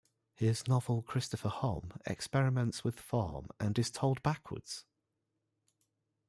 His novel "Christopher Homm" experiments with form and is told backwards.